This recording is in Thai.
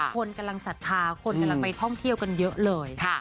คนกำลังศรัทธาคนกำลังไปท่องเที่ยวกันเยอะเลย